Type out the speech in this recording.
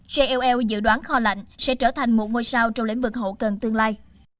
jll dự đoán kho lạnh sẽ trở thành một ngôi sao trong lĩnh vực hậu cần tương lai